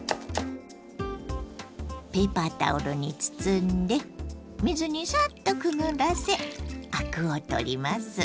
ペーパータオルに包んで水にサッとくぐらせアクを取ります。